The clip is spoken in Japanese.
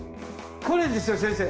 これですよ先生！